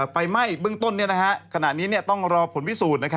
ไฟไหม้เบื้องต้นขณะนี้ต้องรอผลพิสูจน์